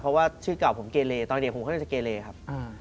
เพราะว่าชื่อเก่าผมเกเลตอนเด็กผมเขาเรียนชื่อเกเลครับ